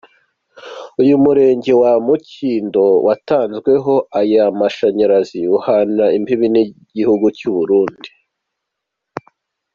Uyu murenge wa Mukindo watanzwemo aya mashanyarazi uhana imbibi n'igihugu cy'Uburundi.